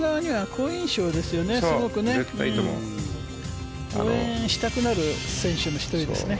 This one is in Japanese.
応援したくなる選手の１人ですね。